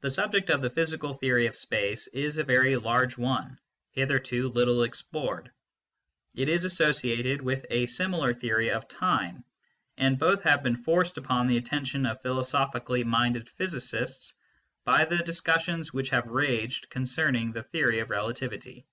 The subject of the physical theory of space is a very large one, hitherto little explored. It is associated with a similar theory of time, and both have been forced upon the attention of philosophically minded physicists by the discussions which have raged concerning the theory of relativity.